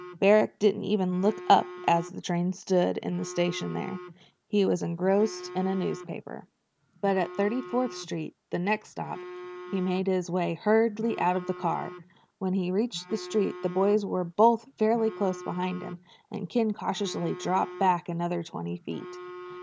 Barrack didn't even look up as the train stood in the station there. He was engrossed in a newspaper. But at Thirty fourth Street, the next stop, he made his way hurriedly out of the car. When he reached the street the boys were both fairly close behind him, and Ken cautiously dropped back another twenty feet.